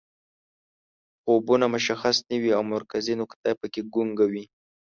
خوبونه مشخص نه وي او مرکزي نقطه پکې ګونګه وي